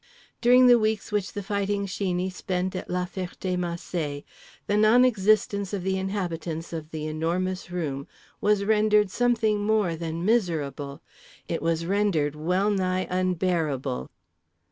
During the weeks which The Fighting Sheeney spent at La Ferté Macé, the non existence of the inhabitants of The Enormous Room was rendered something more than miserable. It was rendered well nigh unbearable.